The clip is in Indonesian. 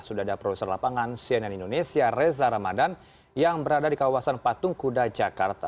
sudah ada produser lapangan cnn indonesia reza ramadan yang berada di kawasan patung kuda jakarta